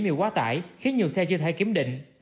vì quá tải khiến nhiều xe chưa thể kiểm định